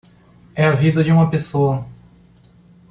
É a vida de uma pessoa